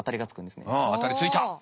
うん当たりついた。